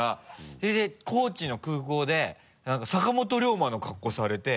それで高知の空港で何か坂本龍馬の格好されて。